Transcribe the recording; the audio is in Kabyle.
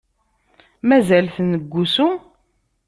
Mazal-ten deg usu?